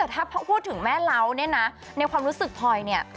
แต่ถ้าพูดถึงแม่เล้าเนี่ยนะในความรู้สึกพลอยเนี่ย